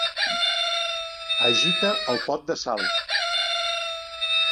Agita el pot de sal.